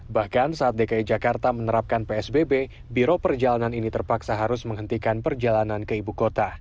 bahkan saat dki jakarta menerapkan psbb biro perjalanan ini terpaksa harus menghentikan perjalanan ke ibu kota